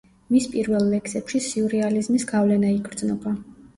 მის პირველ ლექსებში სიურრეალიზმის გავლენა იგრძნობა.